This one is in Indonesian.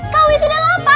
kau itu udah lapa